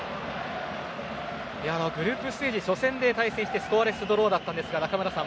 グループステージ初戦で対戦してスコアレスドローだったんですが中村さん